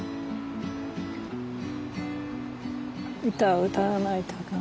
歌を歌わないとな。